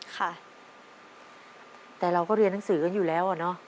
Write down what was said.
ค่ะแต่เราก็เรียนหนังสือกันอยู่แล้วอะเนาะ